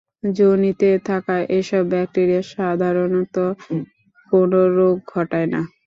যোনিতে থাকা এসব ব্যাকটেরিয়া সাধারণত কোন রোগ ঘটায় না।